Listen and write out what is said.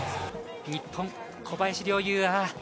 日本・小林陵侑。